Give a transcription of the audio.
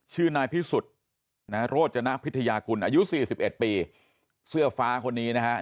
ชื่อนายพี่สุดโรจนักพิทยาคุณอายุ๔๑ปีเสื้อฟ้าคนนี้นะครับ